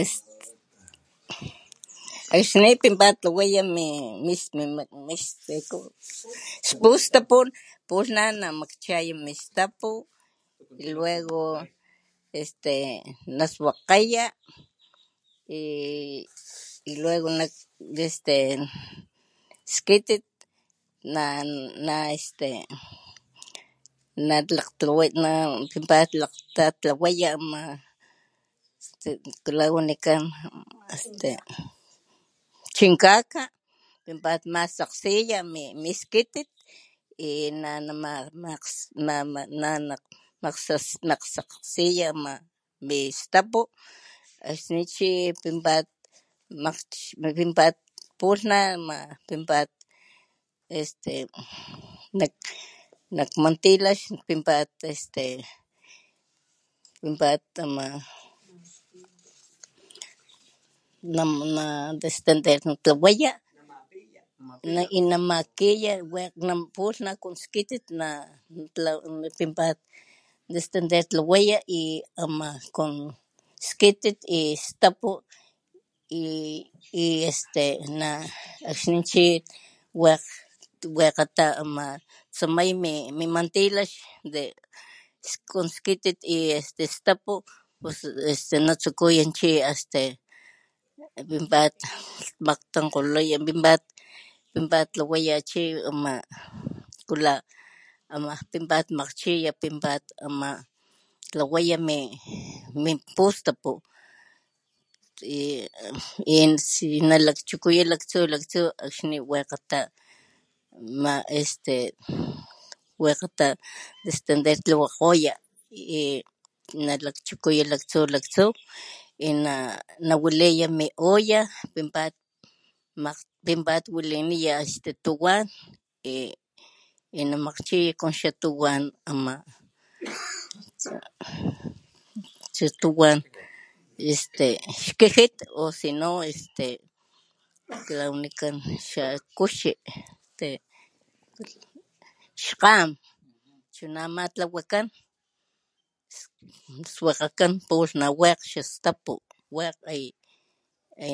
Este... akxní pinpat tlawaya min, misti como, xpustapu pulh na namakchaya min stapu y luego este naswakgaya y luego este, skitit na'na este na lakg na'pinpat talakgtatlawaya ama este, este nikula wanikan este chinkaka pat matsakgsiya mi skitit y na nana nama manamasakgsiya ama mi stapu akxni chi pinpat pulh na'ama pinpat este nak mantilax pinpat este, pinpat ama na'na nadestendernatlawaya y namakiya wekg na pulh na con skitit namakiya na destendertlawaya y ama con skitit y stapu y este na akxní chi wekg wekgeta ama tsamay mi mimantilax de con skitit y pus este stapu uyu natsukuya chi este pinpat makgtankgoloya pinpat pinpat tlawaya chi ama nikula ama pinpat makgchiya, pinpat ama pat tlawaya min pustapu y si nalakchukuya laktsu, laktsu akxni wekgeta ma este wekgeta destendertlawakgoya y nalakchukuya laktsu, laktsu y na nawaliya mi olla pinpat mak pinpat waliniya este tuwan y, y namakgchiya xa tuwan, makgchiya con xa tuwan tuwan, ama xa tuwan este xkijit o sino este nikula wanikan xa kuxí este xkgan chunama tlawakan, swakgakan pulh na wekg xa stapu wekg y namakgchiya y wekg lata este y y na nawaliniya mi lhkuyat xakata nachay... Esta bien.